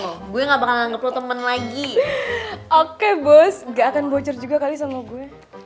lo gue nggak bakalan ngeblok temen lagi oke bos gak akan bocor juga kali sama gue